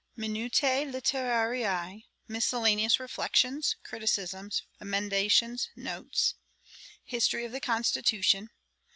'Minutiae Literariae, Miscellaneous reflections, criticisms, emendations, notes. 'History of the Constitution.